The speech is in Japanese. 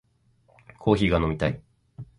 コーヒーが飲みたい